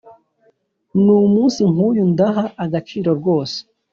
numunsi nkuyu ndaha agaciro rwose.